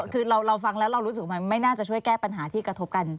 คือเราฟังแล้วเรารู้สึกว่ามันไม่น่าจะช่วยแก้ปัญหาที่กระทบกัน